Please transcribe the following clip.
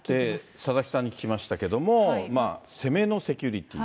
佐々木さんに聞きましたけれども、攻めのセキュリティー。